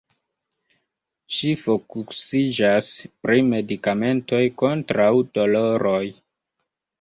Ŝi fokusiĝas pri medikamentoj kontraŭ doloroj.